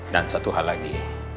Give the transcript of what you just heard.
dan satu hal lagi